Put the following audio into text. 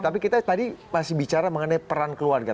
tapi kita tadi masih bicara mengenai peran keluarga